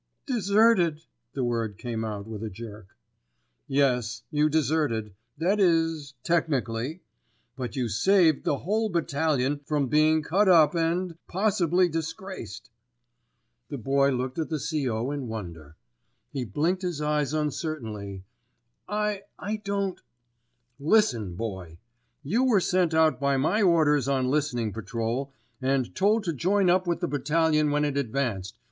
"Deserted!" The word came out with a jerk. "Yes, you deserted—that is, technically—but you saved the whole battalion from being cut up and—possibly disgraced." The Boy looked at the C.O. in wonder. He blinked his eyes uncertainly. "I—I don't——" "Listen, Boy! You were sent out by my orders on listening patrol, and told to join up with the Battalion when it advanced.